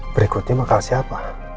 berikutnya bakal siapa